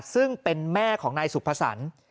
ซึ่งเป็นแม่ของนายสุภสรรค์